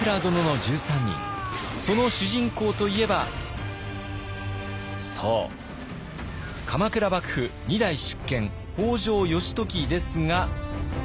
その主人公といえばそう鎌倉幕府２代執権北条義時ですが。